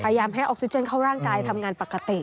ให้ออกซิเจนเข้าร่างกายทำงานปกติ